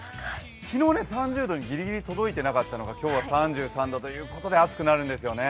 昨日、３０度にギリギリ届いていなかったので、今日は３３度ということで暑くなるんですよね。